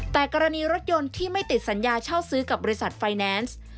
แต่กรณีรถยนต์ที่ไม่ติดสัญญาเช่าซื้อกับบริษัทไฟแนนซ์